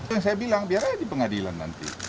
yang saya bilang biar aja di pengadilan nanti